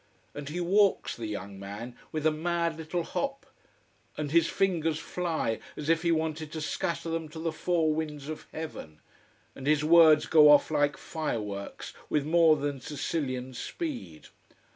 And he walks, the young one, with a mad little hop, and his fingers fly as if he wanted to scatter them to the four winds of heaven, and his words go off like fireworks, with more than Sicilian speed.